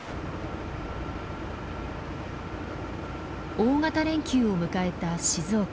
大型連休を迎えた静岡。